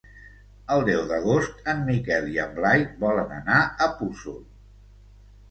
El deu d'agost en Miquel i en Blai volen anar a Puçol.